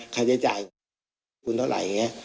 ค่าใช้จ่ายคุณเท่าไหร่อย่างนี้